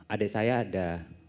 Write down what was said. adik saya ada